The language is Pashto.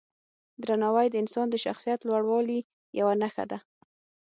درناوی د انسان د شخصیت لوړوالي یوه نښه ده.